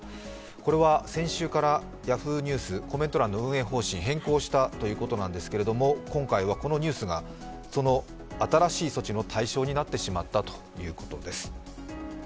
これは先週からＹａｈｏｏ！ニュース、コメント欄の運営方針が変更したということなんですけれども、今回はこのニュースがその新しい措置の対象になってしまったということです。